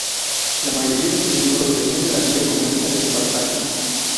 La mayoría de sus miembros venían de la Liga Comunista Espartaco.